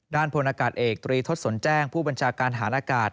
พลอากาศเอกตรีทศสนแจ้งผู้บัญชาการฐานอากาศ